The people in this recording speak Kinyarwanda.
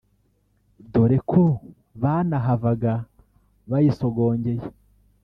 dore ko banahavaga bayisogongeye